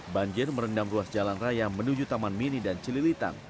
banjir merendam ruas jalan raya menuju taman mini dan cililitan